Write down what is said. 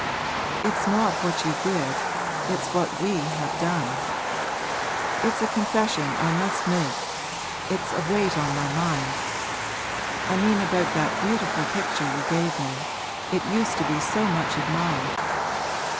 'It's not what you did it's what we have done. It's a confession I must make it's a weight on my mind! I mean about that beautiful picture you gave me it used to be so much admired.